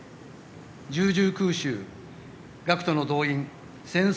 １０・１０空襲学徒の動員戦争